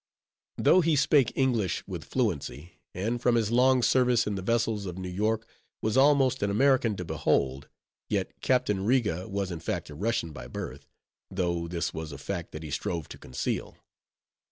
Though he spake English with fluency, and from his long service in the vessels of New York, was almost an American to behold, yet Captain Riga was in fact a Russian by birth, though this was a fact that he strove to conceal.